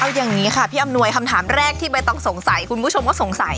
เอาอย่างนี้ค่ะพี่อำนวยคำถามแรกที่ใบต้องสงสัยคุณผู้ชมก็สงสัย